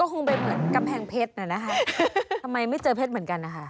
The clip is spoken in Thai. ก็คงไปเหมือนกะแพงเพชรนะนะครับทำไมไม่เจอเพชรเหมือนกันนะครับ